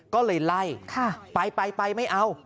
ก็เลยไล่ไปไปไม่เอา